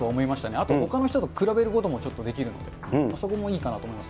あとほかの人と比べることもちょっとできるので、それもいいかなと思います。